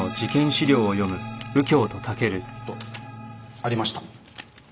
ありました。